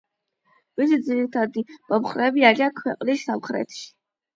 მისი ძირითადი მომხრეები არიან ქვეყნის სამხრეთში.